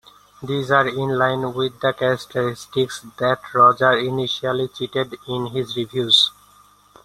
These are in line with the characteristics that Rogers initially cited in his reviews.